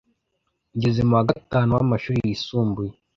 ngeze mu wa gatanu w’amashuri yisumbuye,